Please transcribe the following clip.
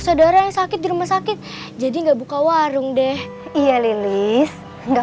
saudara yang sakit di rumah sakit jadi enggak buka warung deh iya lilis enggak